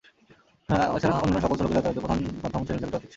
এছাড়া অন্যান্য সকল সড়কে যাতায়াতের প্রধান মাধ্যম সিএনজি চালিত অটোরিক্সা।